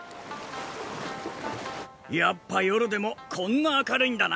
やっぱ夜でもこんな明るいんだな。